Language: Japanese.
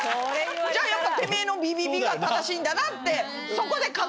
じゃやっぱてめぇのビビビが正しいんだなって。